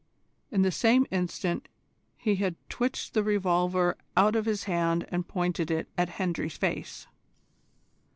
In the same instant he had twitched the revolver out of his hand and pointed it at Hendry's face.